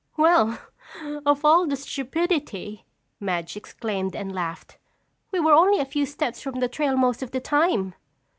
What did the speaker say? "Well, of all the stupidity!" Madge exclaimed and laughed. "We were only a few steps from the trail most of the time."